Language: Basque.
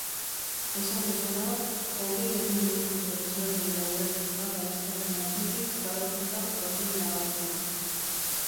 Esan bezala, hogei aminoazido desberdin daude bata bestearen atzetik paratuta proteina batean.